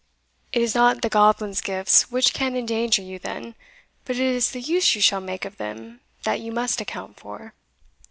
It is not the goblins gifts which can endanger you, then, but it is the use you shall make of them that you must account for.